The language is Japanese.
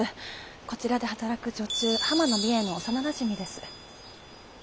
こちらで働く女中浜野三枝の幼なじみです。